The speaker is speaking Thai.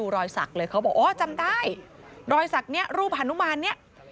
รอยสักเลยเขาบอกอ๋อจำได้รอยสักเนี้ยรูปฮานุมานเนี่ย